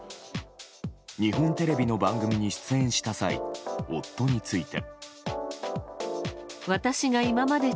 日本テレビの番組に出演した際夫について。